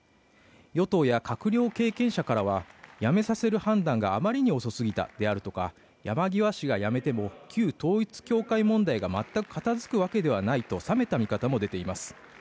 与党や閣僚経験者からは辞めさせる判断があまりにも遅すぎた山際氏が辞めても旧統一教会問題が全く片づくわけではないとの冷めた見方も出ています。